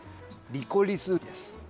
リコリスです。